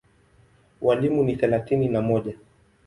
Walimu ni thelathini na mmoja.